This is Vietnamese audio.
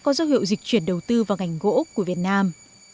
có dấu hiệu dịch chuyển đầu tư vào ngành gỗ của việt nam